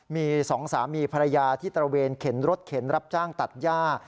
มีสองสามีภรรยาที่ตระเวนเข็นรถเข็นรับจ้างตัดย่า